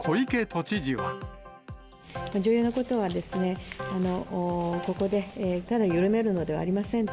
重要なことはですね、ここでただ緩めるのではありませんと。